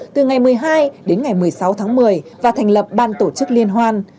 từ ngày một mươi hai đến ngày một mươi sáu tháng một mươi và thành lập ban tổ chức liên hoan